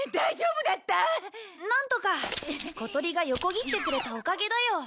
小鳥が横切ってくれたおかげだよ。